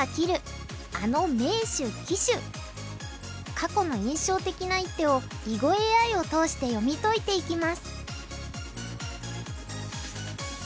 過去の印象的な一手を囲碁ＡＩを通して読み解いていきます。